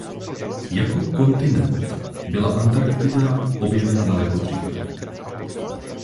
Jako kontinent byla Antarktida objevena daleko dříve.